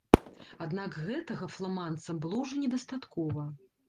Аднак гэтага фламандцам было ўжо не дастаткова.